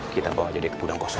kita bawa jadi ke gudang kosong